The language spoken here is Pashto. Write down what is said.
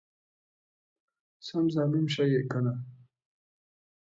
سم ظالم شې يې کنه!